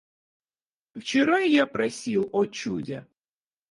Вчера я просил о чуде.